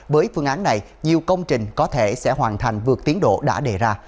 với phương án này nhiều công trình có thể sẽ hoàn thành vượt tiến độ đã đề ra